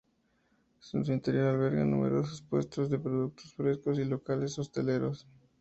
En su interior alberga numerosos puestos de productos frescos y locales hosteleros.